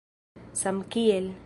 samkiel